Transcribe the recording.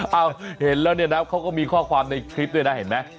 เห็นแล้วเนี่ยนะเขาก็มีข้อความในคลิปด้วยนะเห็นไหม